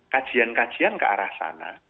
kajian kajian ke arah sana